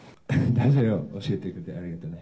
だじゃれを教えてくれてありがとうね。